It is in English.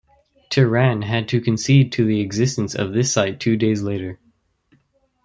Tehran had to concede to the existence of this site two days later.